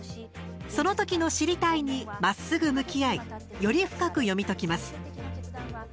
その時の知りたいにまっすぐ向き合いより深く読み解きます。